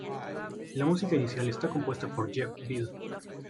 La música inicial está compuesta por Jeff Beal.